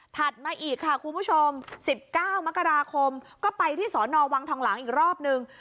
ถัดมาอีกค่ะคุณผู้ชมสิบเก้ามกราคมก็ไปที่สอนอวังทางหลังอีกรอบหนึ่ง